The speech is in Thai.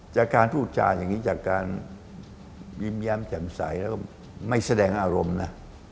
จากการพูดจาอย่างนี้จากการยิ้มแย้มแจ่มใสแล้วก็ไม่แสดงอารมณ์นะ